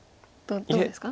どうですか？